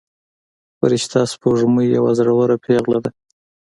فرشته سپوږمۍ یوه زړوره پيغله ده.